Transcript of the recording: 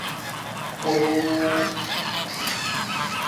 ぽよー